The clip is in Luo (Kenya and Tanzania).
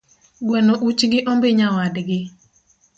Gweno uch gi ombi nyawadgi